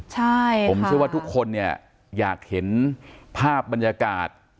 ใช่ผมเชื่อว่าทุกคนเนี่ยอยากเห็นภาพบรรยากาศ